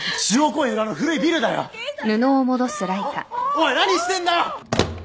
おい何してんだよ！